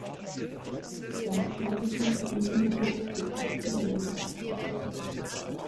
Seine Predigten sind nur bruchstückhaft überliefert.